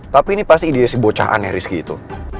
tapi ini pasti ide si bocahannya rizky itu